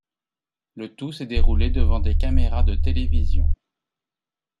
Le tout s'est déroulé devant des caméras de télévision.